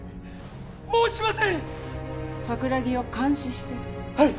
もうしません桜木を監視してはい！